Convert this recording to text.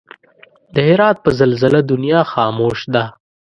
د هرات په زلزله دنيا خاموش ده